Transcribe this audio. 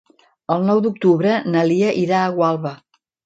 El nou d'octubre na Lia irà a Gualba.